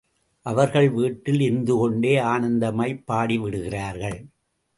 அவர்கள் வீட்டில் இருந்துகொண்டே ஆனந்தமாய்ப் பாடிவிடுகிறார்கள்.